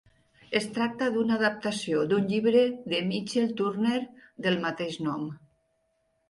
Es tracta d'una adaptació d'un llibre de Michael Turner del mateix nom.